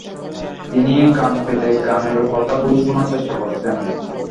তিনি কান পেতে গানের কথাগুলি শোনার চেষ্টা করছেন।